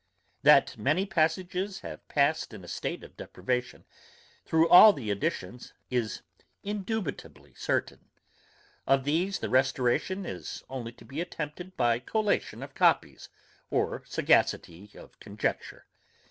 That many passages have passed in a state of depravation through all the editions is indubitably certain; of these the restoration is only to be attempted by collation of copies or sagacity of conjecture.